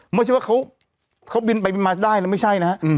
ไม่ใช่ว่าเขาบินไปบินมาได้แล้วไม่ใช่นะฮะ